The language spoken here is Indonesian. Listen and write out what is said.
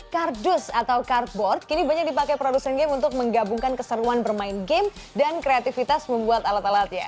kardus atau cardboard kini banyak dipakai produsen game untuk menggabungkan keseruan bermain game dan kreativitas membuat alat alatnya